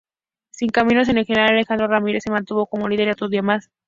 Sin cambios en la general, Alejandro Ramírez se mantuvo como líder otro día más.